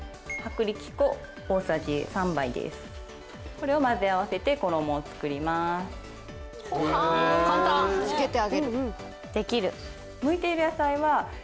これをまぜ合わせて衣を作りますへえはあ